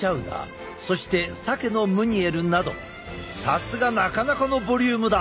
さすがなかなかのボリュームだ！